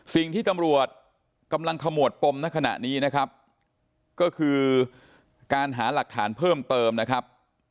สิ่งที่ตำรวจกำลังขมวดปมในขณะนี้นะครับก็คือการหาหลักฐานเพิ่มเติมนะครับ